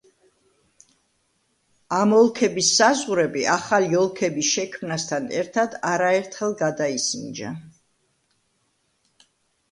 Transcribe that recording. ამ ოლქების საზღვრები, ახალი ოლქების შექმნასთან ერთად არაერთხელ გადაისინჯა.